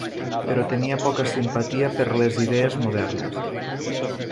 Però tenia poca simpatia per les idees modernes.